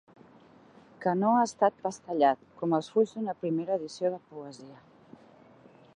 Que no ha estat pas tallat, com els fulls d'una primera edició de poesia.